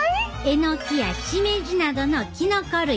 えのきやしめじなどのきのこ類。